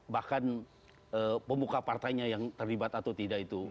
bahkan pemuka partainya yang terlibat atau tidak itu